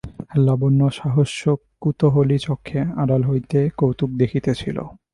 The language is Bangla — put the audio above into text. লাবণ্য সহাস্যকুতূহলী চক্ষে আড়াল হইতে কৌতুক দেখিতেছিল।